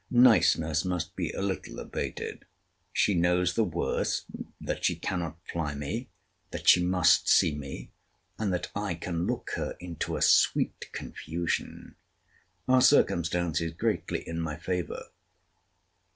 Niceness must be a little abated. She knows the worst. That she cannot fly me; that she must see me; and that I can look her into a sweet confusion; are circumstances greatly in my favour.